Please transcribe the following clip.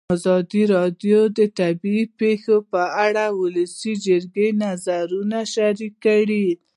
ازادي راډیو د طبیعي پېښې په اړه د ولسي جرګې نظرونه شریک کړي.